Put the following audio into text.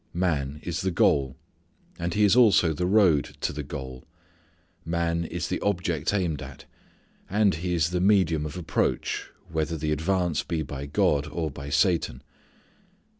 Man is the goal, and he is also the road to the goal. Man is the object aimed at. And he is the medium of approach, whether the advance be by God or by Satan.